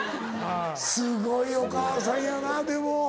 すごいお母さんやなでも。